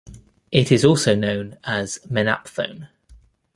It is also known as "menaphthone".